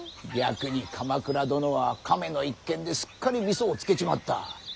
逆に鎌倉殿は亀の一件ですっかりみそをつけちまった。